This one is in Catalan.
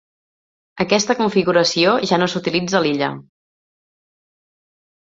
Aquesta configuració ja no s'utilitza a l'illa.